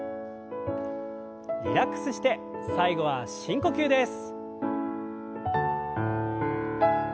リラックスして最後は深呼吸です。